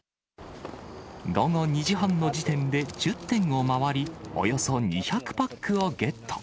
午後２時半の時点で１０店を回り、およそ２００パックをゲット。